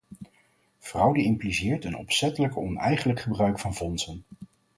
Fraude impliceert een opzettelijk oneigenlijk gebruik van fondsen.